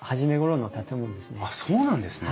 あっそうなんですね。